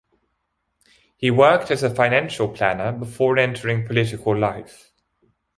He worked as a financial planner before entering political life.